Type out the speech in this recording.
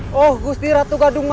whilst itu semangat